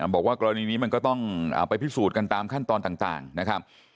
บอกว่ากรณีนี้มันก็ต้องไปพิสูจน์กันตามขั้นตอนต่างนะครับ